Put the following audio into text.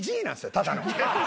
ただの。